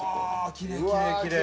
きれいきれいきれい！